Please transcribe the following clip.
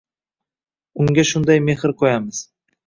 Unga shunday mehr qo‘yamiz.